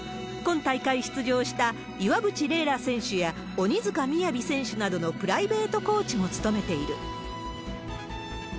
今大会出場した岩渕麗楽選手や鬼塚雅選手などのプライベートコーチも務めている。